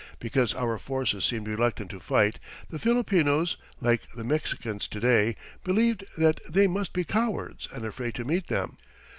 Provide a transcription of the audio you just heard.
Because our forces seemed reluctant to fight, the Filipinos, like the Mexicans to day, believed that they must be cowards and afraid to meet them.